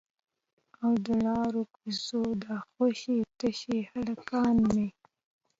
او د لارو کوڅو دا خوشي تشي هلکان مې